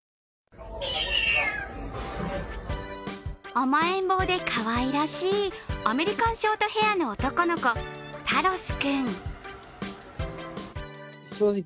甘えん坊でかわいらしいアメリカンショートヘアの男の子、タロス君。